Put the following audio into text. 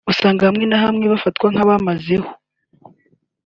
usanga hamwe na hamwe bafatwa nk’abamazeho